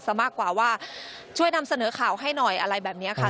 มากกว่าว่าช่วยนำเสนอข่าวให้หน่อยอะไรแบบนี้ค่ะ